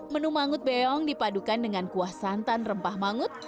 menu mangut beong dipadukan dengan kuah santan rempah mangut